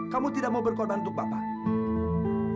kamu tidak mau berkorban untuk bapak